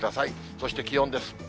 そして気温です。